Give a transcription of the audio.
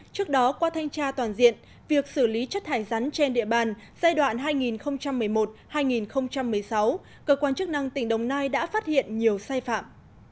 trước đó qua thanh tra toàn diện việc xử lý chất thải rắn trên địa bàn giai đoạn hai nghìn một mươi một hai nghìn một mươi sáu cơ quan chức năng tỉnh đồng nai đã phát hiện nhiều sai phạm